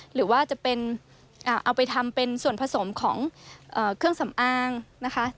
หรือว่าจะเป็นเอาไปทำเป็นส่วนผสมของเครื่องสำอางนะคะ